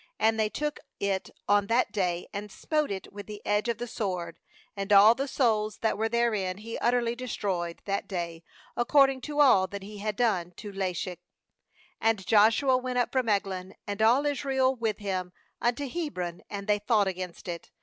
35And ^they took it on that day, and smote it with the edge of the sword, and all the souls that were therein he utterly destroyed that day, according* to all that he had done to Lachish. 36And Joshua went up from Eglon, and all Israel with him, unto Hebron; and they fought against it.